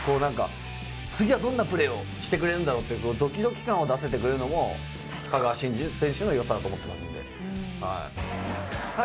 次はどんなプレーをしてくれるんだろうっていうドキドキ感を出してくれるのも香川真司選手の良さだと思ってますんで。